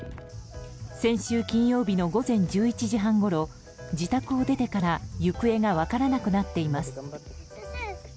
先週金曜日の午前１１時半ごろ自宅を出てから行方が分からなくなっています。